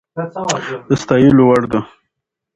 د ستايلو وړ ده